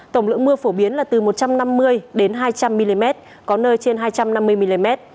tổng lượng mưa phổ biến là từ một trăm năm mươi hai trăm linh mm có nơi trên hai trăm năm mươi mm